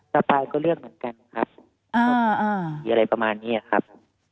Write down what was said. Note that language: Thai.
สปายก็เลือกเหมือนกันนะครับหรืออะไรประมาณนี้ครับ